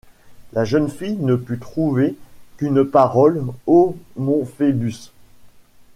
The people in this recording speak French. La jeune fille ne put trouver qu’une parole: — Ô mon Phœbus!